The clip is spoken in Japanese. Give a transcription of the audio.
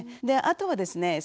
であとはですね